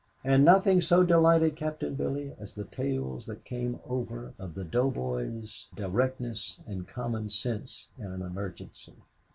And nothing so delighted Captain Billy as the tales that came over of the doughboy's directness and common sense in an emergency.